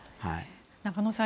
中野さん